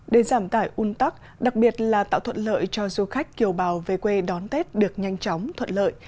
để giảm tải un tắc đặc biệt là tạo thuận lợi cho du khách kiều bào về quê đón tết được nhanh chóng thuận lợi